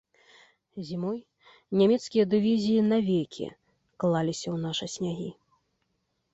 Зімой нямецкія дывізіі навекі клаліся ў нашы снягі.